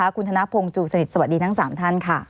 คุณธนพงศ์จูสนิทสวัสดีทั้ง๓ท่านค่ะ